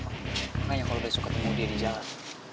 makanya kalau besok ketemu dia di jalan